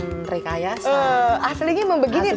aslinya emang begini